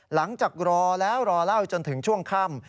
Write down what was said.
หลังจากรอแล้วจนถึงช่วงค่ำ